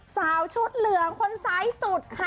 สาวชุดเหลืองคนซ้ายสุดค่ะ